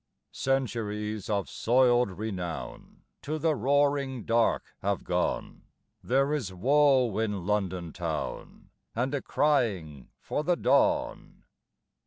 Centuries of soiled renown To the roaring dark have gone: There is woe in London town, And a crying for the dawn.